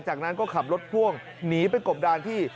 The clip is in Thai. จากนั้นก็ขับรถพ่วงหนีไปกบดานที่